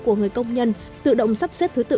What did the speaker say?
của người công nhân tự động sắp xếp thứ tự